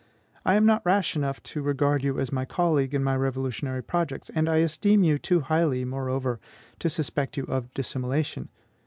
I am not rash enough to regard you as my colleague in my revolutionary projects; and I esteem you too highly, moreover, to suspect you of dissimulation.